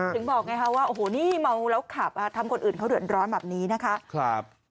ถึงบอกไงคะว่าโอ้โหนี่เมาแล้วขับทำคนอื่นเขาเดือดร้อนแบบนี้นะคะ